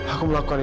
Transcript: aku melakukan ini